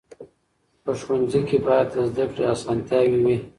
په ښوونځي کې باید د زده کړې اسانتیاوې وي.